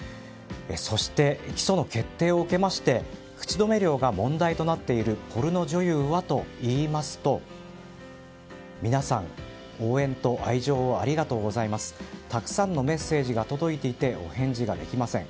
そして、起訴の決定を受けまして口止め料が問題となっているポルノ女優はといいますと皆さん、応援と愛情をありがとうございますたくさんのメッセージが届いていてお返事ができません。